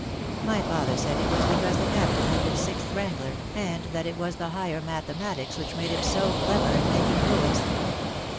My father said it was because the Captain had been sixth wrangler, and that it was the higher mathe matics which made him so clever at making rules.